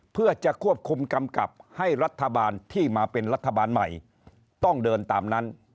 เพื่อจะควบคุมกำกับให้รัฐบาลที่มาเป็นรัฐบาลใหม่ต้องเดินตามนั้น